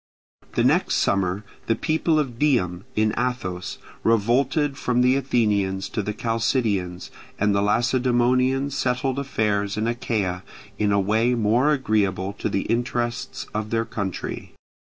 The next summer the people of Dium, in Athos, revolted from the Athenians to the Chalcidians, and the Lacedaemonians settled affairs in Achaea in a way more agreeable to the interests of their country.